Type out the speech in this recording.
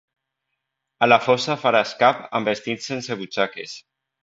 A la fossa faràs cap amb vestit sense butxaques.